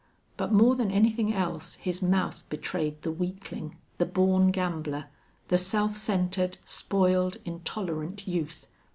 But more than anything else his mouth betrayed the weakling, the born gambler, the self centered, spoiled, intolerant youth.